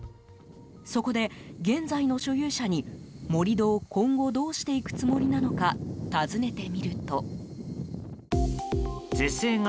そこで、現在の所有者に盛り土を今後どうしていくつもりなのか尋ねてみると。